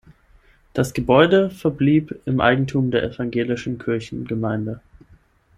Das Gebäude verblieb im Eigentum der evangelischen Kirchengemeinde.